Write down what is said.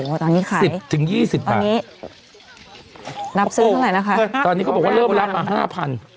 โอ้โหตอนนี้ขายตอนนี้นับซื้อเท่าไหร่นะคะโอ้โหตอนนี้เขาบอกว่าเริ่มรับมา๕๐๐๐